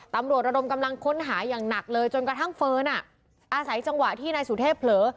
ระดมกำลังค้นหาอย่างหนักเลยจนกระทั่งเฟิร์นอาศัยจังหวะที่นายสุเทพเผลอ